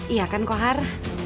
iya kan kohar